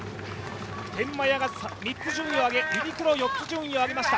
天満屋が３つ順位を上げ、ユニクロは４つ順位を上げました。